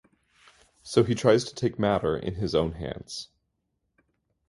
So he tries to take matter in his own hands.